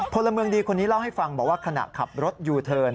พลเมืองดีคนนี้เล่าให้ฟังบอกว่าขณะขับรถยูเทิร์น